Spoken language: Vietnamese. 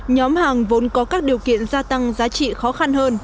nhóm hàng vốn có các điều kiện gia tăng giá trị khó khăn hơn